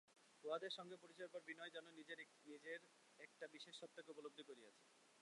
উঁহাদের সঙ্গে পরিচয়ের পর বিনয় যেন নিজের একটি বিশেষ সত্তাকে উপলব্ধি করিয়াছে।